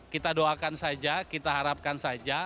kita doakan saja kita harapkan saja